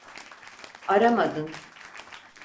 Aramadın.